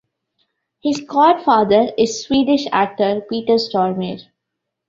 His godfather is Swedish actor Peter Stormare.